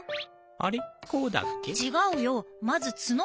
あれ？